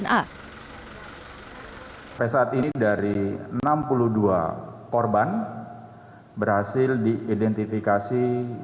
sampai saat ini dari enam puluh dua korban berhasil diidentifikasi dua puluh sembilan